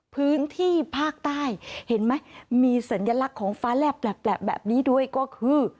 พื้นที่ภาคใต้เห็นไหมมีสัญลักษณ์ของฟ้าแลบแปลกแบบนี้ด้วยก็คือ